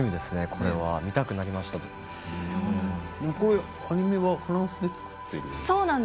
このアニメをフランスで作っているの。